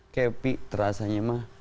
kayak pi terasanya mah